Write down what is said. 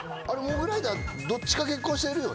モグライダーどっちか結婚してるよね